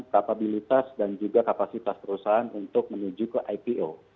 kapabilitas dan juga kapasitas perusahaan untuk menuju ke ipo